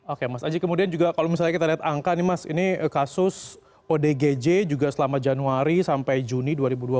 oke mas aji kemudian juga kalau misalnya kita lihat angka nih mas ini kasus odgj juga selama januari sampai juni dua ribu dua puluh